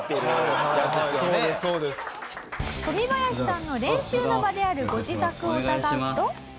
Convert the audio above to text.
トミバヤシさんの練習の場であるご自宅を伺うと。